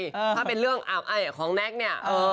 ถ้าเป็นเรื่องของแน็กเนี่ย